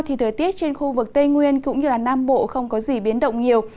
thì thời tiết trên khu vực tây nguyên cũng như nam bộ không có gì biến động nhiều